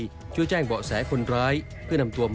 ช่วยแจ้งเบาะแสคนร้ายเพื่อนำตัวมา